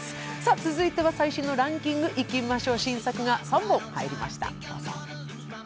続いては、最新のランキングいきましょう、新作が３本入りました。